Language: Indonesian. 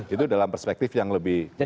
itu dalam perspektif yang lebih luas lagi